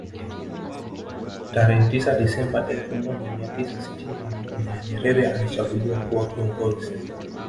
Tarehe tisa desamba elfu moja mia tisa sitini na moja Nyerere alichaguliwa kuwa kiongozi